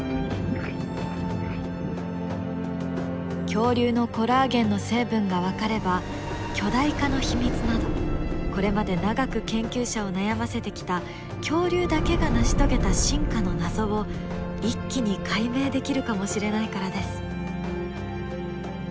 恐竜のコラーゲンの成分が分かれば巨大化の秘密などこれまで長く研究者を悩ませてきた恐竜だけが成し遂げた進化の謎を一気に解明できるかもしれないからです。